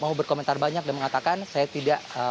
mau berkomentar banyak dan mengatakan saya tidak